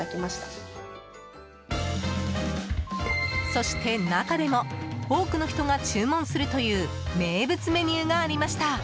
そして、中でも多くの人が注文するという名物メニューがありました。